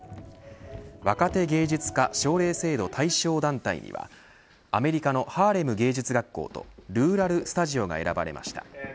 若手芸術家奨励制度対象団体にはアメリカのハーレム芸術学校とルーラル・スタジオが選ばれました。